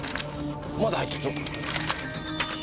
まだ入ってるぞ。